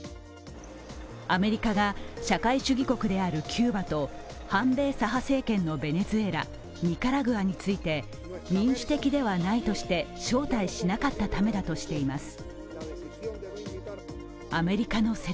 アメリカが社会主義国であるキューバと反米左派政権のベネズエラ、ニカラグアについて民主的ではないとして招待しなかったためだとしています。